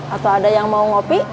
atau ada yang mau ngopi